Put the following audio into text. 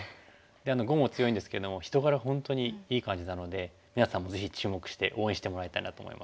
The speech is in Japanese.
で碁も強いんですけども人柄本当にいい感じなので皆さんもぜひ注目して応援してもらいたいなと思います。